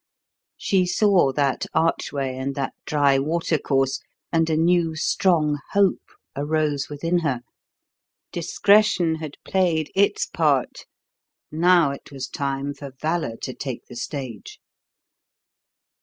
She saw that archway and that dry water course, and a new, strong hope arose within her. Discretion had played its part; now it was time for Valour to take the stage.